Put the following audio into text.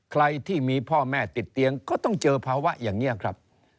ใครที่มีพ่อแม่ติดเตียงก็ต้องเจอภาวะอย่างนี้ครับ